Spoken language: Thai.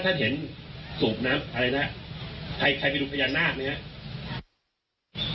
ถ้าเห็นสูบน้ำอะไรน่ะใครไปถูกพยานนาฏอย่างเงี้ย